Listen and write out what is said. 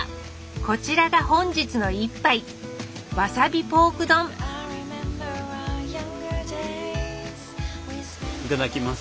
こちらが本日の一杯いただきます。